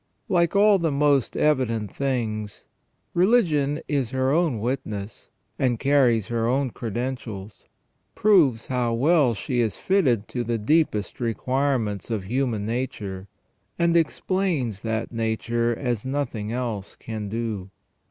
Like all the most evident things, religion is her own witness, and carries her own credentials ; proves how well she is fitted to the deepest requirements of human nature, and explains that nature as nothing else can do.